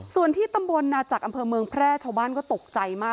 ส่วนที่ตำบลนาจักรอำเภอเมืองแพร่ชาวบ้านก็ตกใจมาก